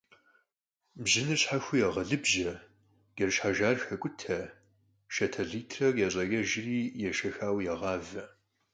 Бжьыныр щхьэхуэу ягъэлыбжьэ, джэш хьэжар хакӀутэ, шатэ литрэ кӀэщӀакӀэжри ешэхауэ ягъавэ.